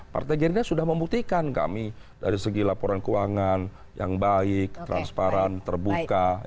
partai gerindra sudah membuktikan kami dari segi laporan keuangan yang baik transparan terbuka